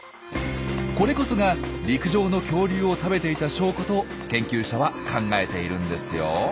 これこそが陸上の恐竜を食べていた証拠と研究者は考えているんですよ。